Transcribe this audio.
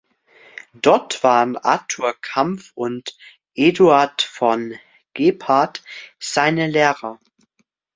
Dort waren Arthur Kampf und Eduard von Gebhardt seine Lehrer.